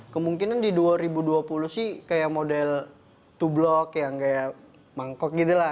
kemungkinan di dua ribu dua puluh sih kayak model to block yang kayak mangkok gitu lah